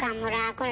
これ